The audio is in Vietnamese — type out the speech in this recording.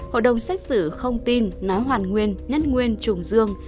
hội đồng xét xử không tin nói hoàn nguyên nhất nguyên trùng dương